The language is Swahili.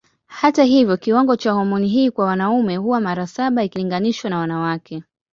Hata hivyo kiwango cha homoni hii kwa wanaume huwa mara saba ikilinganishwa na wanawake.